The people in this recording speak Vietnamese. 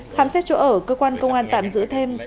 khám xét chỗ ở cơ quan công an tạm giữ thêm